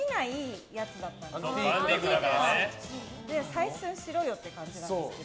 採寸しろよって感じなんですけど。